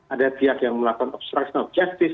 ada pihak yang melakukan obstruction of justice